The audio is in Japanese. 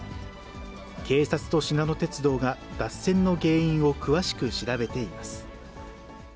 警察としなの鉄道が、脱線の原因を詳しく調べています。